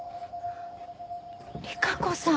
利佳子さん。